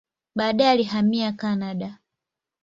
Baadaye alihamia Kanada.